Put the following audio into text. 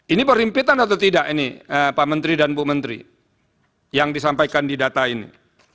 ini berimpitan atau tidak ini pak menteri dan bu menteri yang disampaikan di data ini